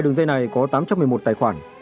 đường dây này có tám trăm một mươi một tài khoản